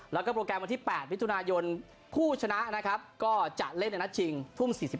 แล้วก็โปรแกรมวันที่๘มิถุนายนผู้ชนะนะครับก็จะเล่นในนัดชิงทุ่ม๔๕